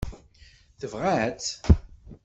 Tebɣa-tt?